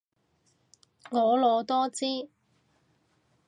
婀娜多姿